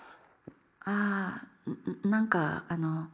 あぁ何かあの。